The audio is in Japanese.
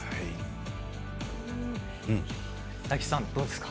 大吉さん、どうですか？